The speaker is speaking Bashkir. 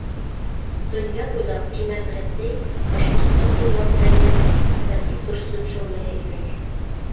Донъя буйлап, тимәк, Рәсәй, Башҡортостан буйлап та йәнә иҡтисади көрсөк шәүләһе йөрөй.